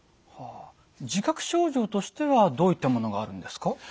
自覚症状としてはどういったものがあるんですか？